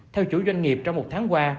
theo chủ doanh nghiệp trong một tháng qua